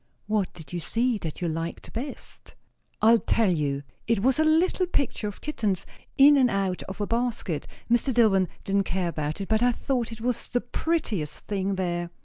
"What did you see that you liked best?" "I'll tell you. It was a little picture of kittens, in and out of a basket. Mr. Dillwyn didn't care about it; but I thought it was the prettiest thing there.